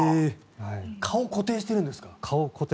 顔を固定してるんですか？